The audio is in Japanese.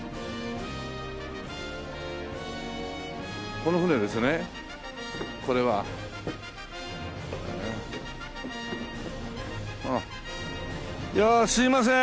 この船ですねこれは。いやすみません。